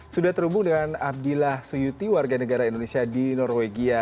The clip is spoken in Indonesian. sudah terhubung dengan abdillah suyuti warga negara indonesia di norwegia